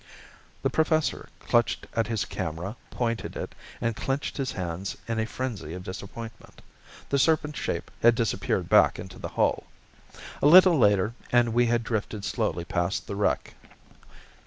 The Professor clutched at his camera, pointed it, and clenched his hands in a frenzy of disappointment. The serpent shape had disappeared back into the hull. A little later and we had drifted slowly past the wreck.